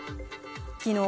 きのう